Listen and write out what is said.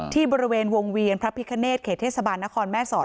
ที่บริเวณวงเวียนพระพิคเนตเขตเทศบาลนครแม่สอด